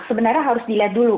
sebenarnya harus dilihat dulu